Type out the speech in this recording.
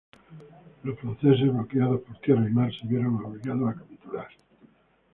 Los franceses, bloqueados por tierra y mar, se vieron obligados a capitular.